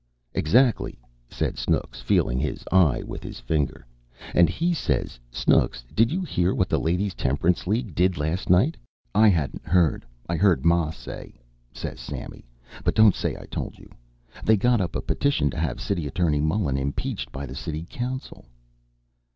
"Exactly!" said Snooks, feeling his eye with his finger. "And he says, 'Snooks, did you hear what the Ladies' Temperance League did last night?' I hadn't heard. 'I heard ma say,' says Sammy, 'but don't say I told you. They got up a petition to have City Attorney Mullen impeached by the City Council.'